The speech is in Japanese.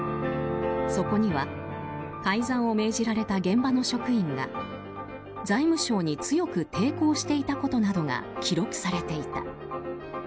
そこには改ざんを命じられた現場の職員が財務省に強く抵抗していたことなどが記録されていた。